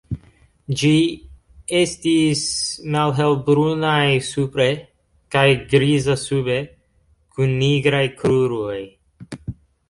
Ĝi estis malhelbrunaj supre kaj griza sube kun nigraj kruroj.